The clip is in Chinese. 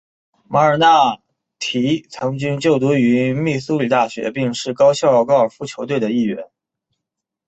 马尔纳提曾经就读于密苏里大学并且是学校高尔夫球队的一员。